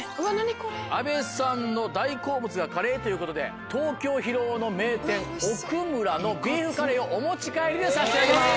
阿部さんの大好物がカレーということで東京・広尾の名店おくむらのビーフカレーをお持ち帰りで差し上げます。